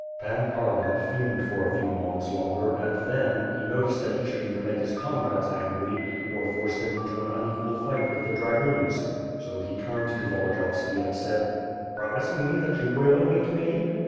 Pan Kharlamp fumed for a few moments longer and, then, he noticed that he should either make his comrades angry, or force them into an unequal fight with the dragoons, so he turned to Volodiyovski and said: "Promise me that you will meet me?"